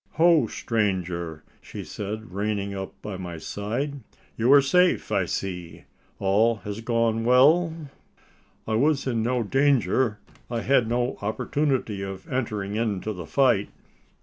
"Ho, stranger!" said she, reining up by my side, "you are safe, I see! All has gone well?" "I was in no danger: I had no opportunity of entering into the fight."